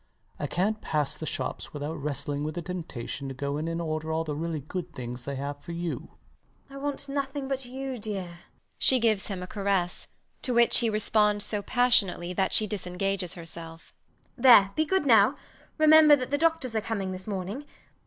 I cant pass the shops without wrestling with the temptation to go in and order all the really good things they have for you. MRS DUBEDAT. I want nothing but you, dear. [She gives him a caress, to which he responds so passionately that she disengages herself]. There! be good now: remember that the doctors are coming this morning.